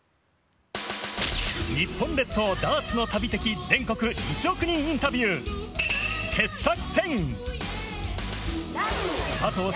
日本列島ダーツの旅的全国１億人インタビュー、傑作選。